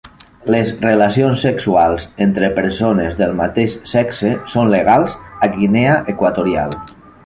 Les relacions sexuals entre persones del mateix sexe són legals a Guinea Equatorial.